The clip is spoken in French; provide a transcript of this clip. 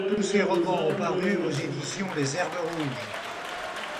Tous ses romans ont paru aux éditions Les Herbes rouges.